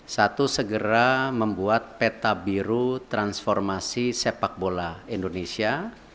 satu segera membuat peta biru transformasi sepak bola indonesia